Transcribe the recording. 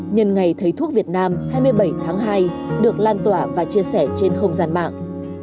nhân ngày thầy thuốc việt nam hai mươi bảy tháng hai được lan tỏa và chia sẻ trên không gian mạng